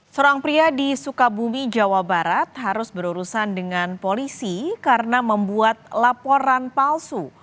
seorang pria di sukabumi jawa barat harus berurusan dengan polisi karena membuat laporan palsu